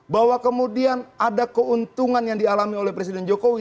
bahwa kemudian ada keuntungan yang dialami oleh presiden jokowi